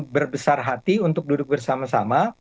berbesar hati untuk duduk bersama sama